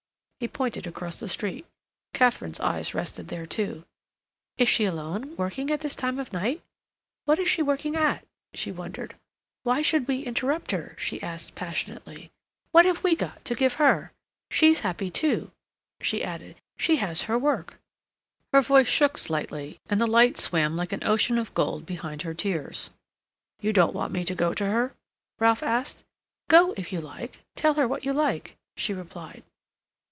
He pointed across the street. Katharine's eyes rested there too. "Is she alone, working at this time of night? What is she working at?" she wondered. "Why should we interrupt her?" she asked passionately. "What have we got to give her? She's happy too," she added. "She has her work." Her voice shook slightly, and the light swam like an ocean of gold behind her tears. "You don't want me to go to her?" Ralph asked. "Go, if you like; tell her what you like," she replied.